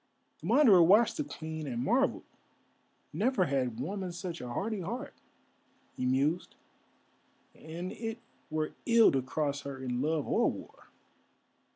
The Wanderer watched the Queen and marvelled. "Never had woman such a hardy heart," he mused; "and it were ill to cross her in love or war!"